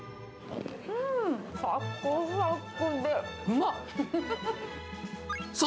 さくさくで、うまっ。